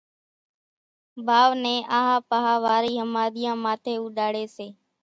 ڀائو نين آۿا پاۿا واري ۿماۮيان ماٿي اُوڏاڙي سي